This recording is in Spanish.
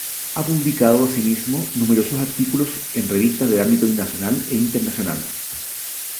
Ha publicado asimismo numerosos artículos en revistas de ámbito nacional e internacional.